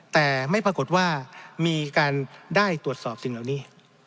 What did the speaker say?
แต่ไม่ปรากฏว่ามีการได้ตรวจสอบสิ่งเหล่านี้